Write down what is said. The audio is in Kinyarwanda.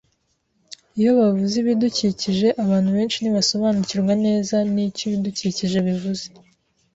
yo bavuze ibidukikije, abantu benshi ntibasobanukirwa neza n’icyo ibidukikije bivuze